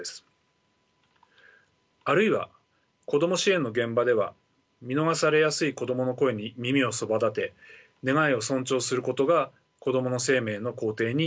あるいは子ども支援の現場では見逃されやすい子どもの声に耳をそばだて願いを尊重することが子どもの生命の肯定になります。